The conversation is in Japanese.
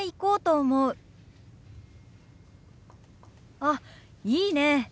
あっいいねえ。